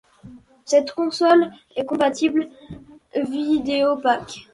Cette console est compatible Videopac.